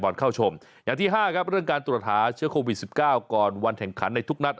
๕เรื่องการตรวจหาเชื้อโควิด๑๙ก่อนวันแห่งขันในทุกนัด